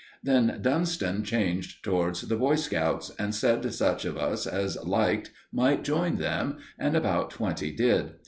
Then Dunston changed towards the Boy Scouts, and said such of us as liked might join them; and about twenty did.